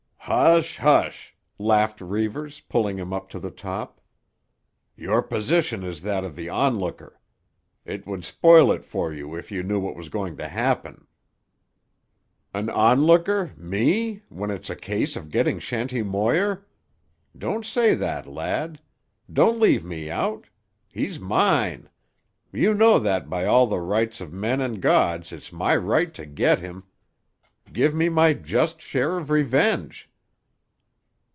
"Hush, hush!" laughed Reivers, pulling him up to the top. "Your position is that of the onlooker. It would spoil it for you if you knew what was going to happen." "An onlooker—me—when it's a case of getting Shanty Moir? Don't say that, lad. Don't leave me out. He's mine. You know that by all the rights of men and gods it's my right to get him. Give me my just share of revenge."